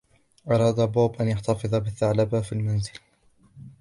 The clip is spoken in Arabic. أراد بوب أن يحتفظ بالثعلب في المنزل.